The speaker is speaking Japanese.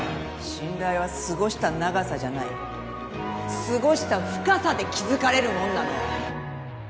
信頼は過ごした長さじゃない過ごした深さで築かれるもんなの。